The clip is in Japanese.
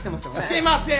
してません！